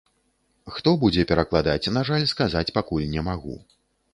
Хто будзе перакладаць, на жаль сказаць пакуль не магу.